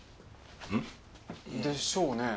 うん？でしょうね。